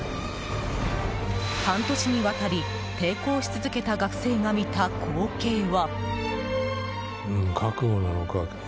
半年にわたり抵抗し続けた学生が見た光景は？